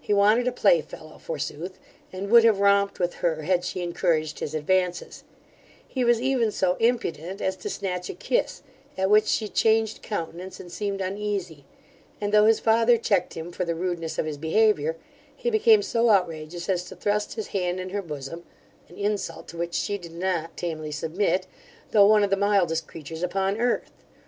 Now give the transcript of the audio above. He wanted a playfellow, forsooth; and would have romped with her, had she encouraged his advances He was even so impudent as to snatch a kiss, at which she changed countenance, and seemed uneasy; and though his father checked him for the rudeness of his behaviour, he became so outrageous as to thrust his hand in her bosom: an insult to which she did not tamely submit, though one of the mildest creatures upon earth.